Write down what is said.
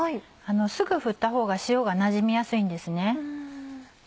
すぐふったほうが塩がなじみやすいんですね。